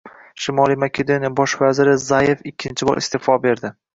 Shimoliy Makedoniya bosh vaziri Zayev ikkinchi bor iste’fo berdi